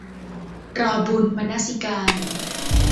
รอบุญ - มนสิการ